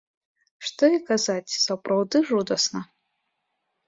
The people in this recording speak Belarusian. Што і казаць, сапраўды жудасна.